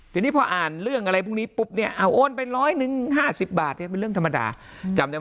ทีนี้พออ่านเรื่องอะไรพรุ่งนี้ปุ๊บเนี่ยโอนไปร้อยหนึ่งห้าสิบบาทเนี่ยเป็นเรื่องธรรมดา